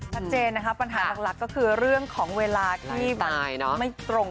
ถ้าเจนนะครับปัญหาหลักก็คือเรื่องของเวลาที่ไม่ตรงกันเอง